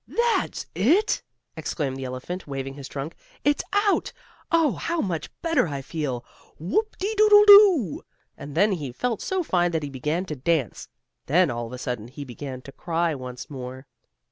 "That's it!" exclaimed the elephant, waving his trunk. "It's out! Oh, how much better I feel. Whoop de doodle do!" and then he felt so fine that he began to dance. Then, all of a sudden, he began to cry once more.